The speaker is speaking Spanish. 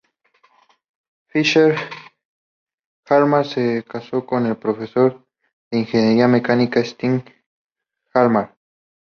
Fischer-Hjalmar se casó con el profesor de ingeniería mecánica Stig Hjalmar.